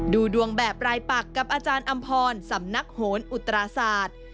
ดูดวงแบบรายปักกับอาจารย์อำพรสำนักโหนอุตราศาสตร์